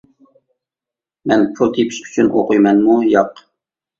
مەن پۇل تېپىش ئۈچۈن ئوقۇيمەنمۇ؟ ياق!